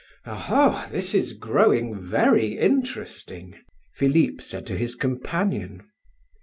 "Oho! all this is growing very interesting," Philip said to his companion.